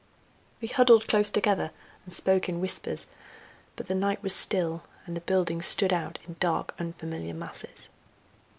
We huddled close together and spoke in whispers; but the night was still, and the buildings stood out in dark, unfamiliar masses.